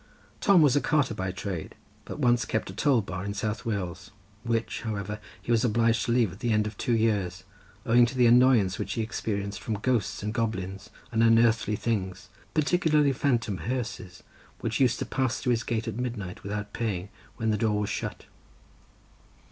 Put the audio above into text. Tom was a carter by trade, but once kept a toll bar in South Wales, which, however, he was obliged to leave at the end of two years, owing to the annoyance which he experienced from ghosts and goblins, and unearthly things, particularly phantom hearses, which used to pass through his gate at midnight without paying, when the gate was shut."